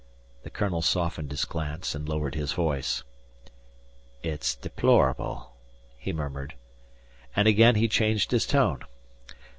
The colonel softened his glance and lowered his voice. "It's deplorable," he murmured. And again he changed his tone.